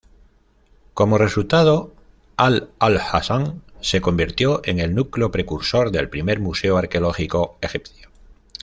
Como resultado, Al-Alsun se convirtió en el núcleo precursor del primer museo arqueológico egipcio.